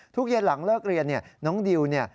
ทุกเย็นหลังเลิกเรียนน้องดิวเนี่ย